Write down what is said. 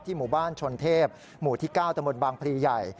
หมู่บ้านชนเทพหมู่ที่๙ตมบางพรีใหญ่